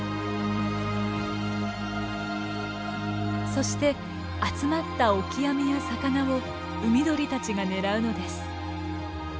そして集まったオキアミや魚を海鳥たちが狙うのです。